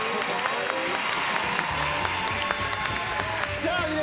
さあ。